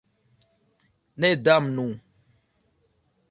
Ne, damnu.